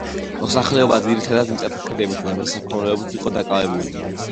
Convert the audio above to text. მოსახლეობა ძირითადად მიწათმოქმედებითა და მესაქონლეობით იყო დაკავებული